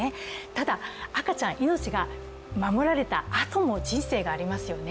ただ、赤ちゃん、命が守られたあとも人生がありますよね。